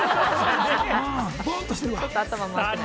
ぼーっとしてるのか？